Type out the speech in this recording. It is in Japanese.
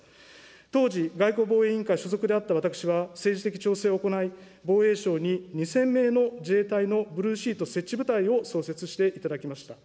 当時、外交防衛委員会所属であった私は、政治的調整を行い、防衛省に２０００名の自衛隊のブルーシート設置部隊を創設していただきました。